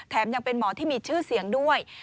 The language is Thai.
ยังเป็นหมอที่มีชื่อเสียงด้วย